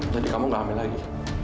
jadi kamu gak hamil lagi